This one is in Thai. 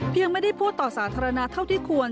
ยังไม่ได้พูดต่อสาธารณะเท่าที่ควร